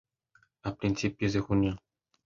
A principios de junio.